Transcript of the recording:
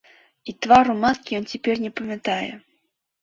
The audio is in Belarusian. І твару маткі ён цяпер не памятае.